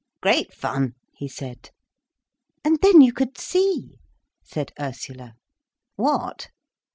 "Great fun," he said. "And then you could see," said Ursula. "What?"